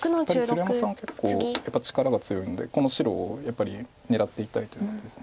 鶴山さんは結構力が強いのでこの白をやっぱり狙っていたいということです。